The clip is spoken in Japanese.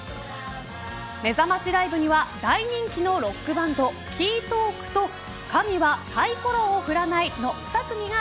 めざましライブには大人気のロックバンドＫＥＹＴＡＬＫと神はサイコロを振らないの２組が